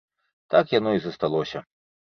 Так яно і засталося.